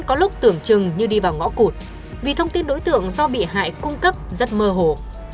chừng như đi vào ngõ cụt vì thông tin đối tượng do bị hại cung cấp rất mơ hồ